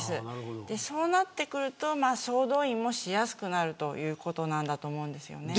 そうなってくると総動員もしやすくなるということなんだと思うんです。